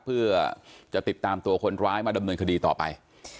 เพื่อจะติดตามตัวคนร้ายมาดำเนินคดีต่อไป